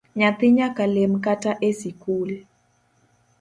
Nyathi nyaka lem kata esikul